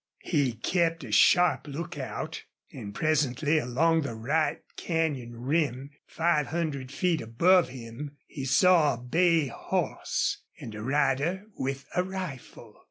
He kept a sharp lookout, and presently along the right canyon rim, five hundred feet above him, he saw a bay horse, and a rider with a rifle.